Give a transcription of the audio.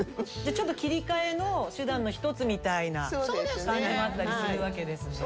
ちょっと切り替えの手段の１つみたいな感じもあったりするわけですね。